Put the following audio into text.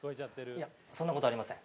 そんなことありません。